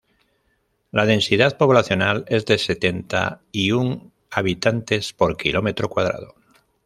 La densidad poblacional es de setenta y un habitantes por kilómetro cuadrado.